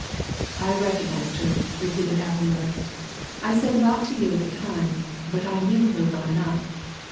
"I recognized her," repeated Appleyard. "I said naught to you at the time, but I knew her well enough.